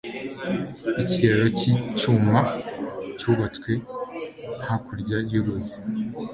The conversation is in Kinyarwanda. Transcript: Ikiraro cyicyuma cyubatswe hakurya yuruzi.